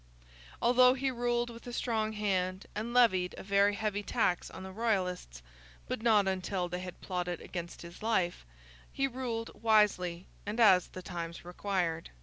Although he ruled with a strong hand, and levied a very heavy tax on the Royalists (but not until they had plotted against his life), he ruled wisely, and as the times required.